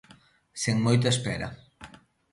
Sen moita espera.